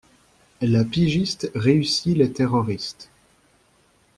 La pigiste réussit les terroristes.